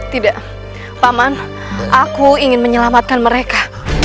tidak paman aku ingin menyelamatkan mereka